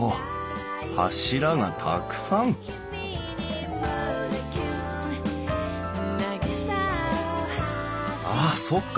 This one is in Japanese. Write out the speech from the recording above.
柱がたくさんああそっか。